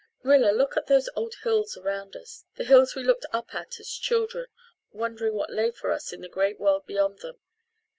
Rilla! Look at those old hills around us the hills we looked up at as children, wondering what lay for us in the great world beyond them.